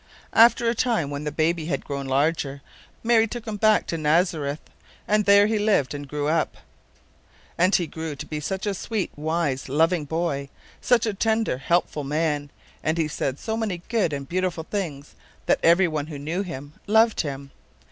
After a time, when the baby had grown larger, Mary took Him back to Nazareth, and there He lived and grew up. And He grew to be such a sweet, wise, loving boy, such a tender, helpful man, and He said so many good and beautiful things, that everyone who knew Him, loved Him.